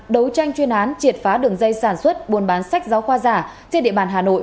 đấu tranh chuyên án triệt phá đường dây sản xuất buôn bán sách giáo khoa giả trên địa bàn hà nội